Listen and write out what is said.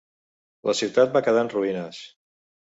La ciutat va quedar en ruïnes.